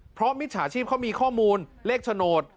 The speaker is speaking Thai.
เพราะมิจฉาชีพเขามีข้อมูลเลขโฉนด